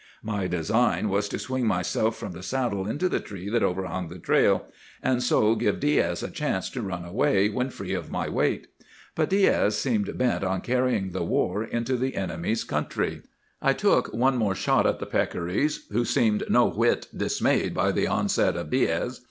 My design was to swing myself from the saddle into the tree that overhung the trail, and so give Diaz a chance to run away, when free of my weight. But Diaz seemed bent on carrying the war into the enemy's country. "I took one more shot at the peccaries, who seemed no whit dismayed by the onset of Diaz.